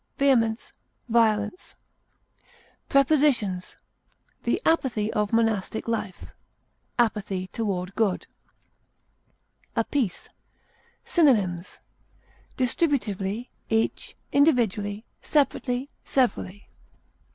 distress, Prepositions: The apathy of monastic life; apathy toward good. APIECE. Synonyms: distributively, each, individually, separately, severally.